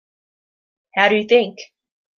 How do you think?